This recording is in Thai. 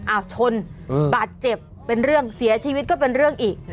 ชนบาดเจ็บเป็นเรื่องเสียชีวิตก็เป็นเรื่องอีก